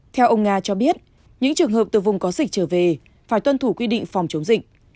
theo ông nga cho biết những trường hợp từ vùng có dịch trở về phải tuân thủ quy định phòng chống dịch